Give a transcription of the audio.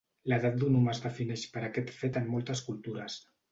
L'edat d'un humà es defineix per aquest fet en moltes cultures.